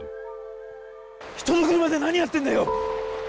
人の車で何やってんだよ！